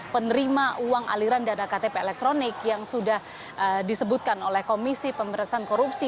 penerima uang aliran dana ktp elektronik yang sudah disebutkan oleh komisi pemerintahan korupsi